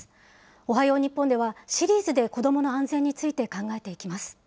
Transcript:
おはよう日本では、シリーズで子どもの安全について考えていきます。